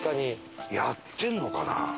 やってるのかな？